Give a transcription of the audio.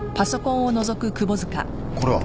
これは？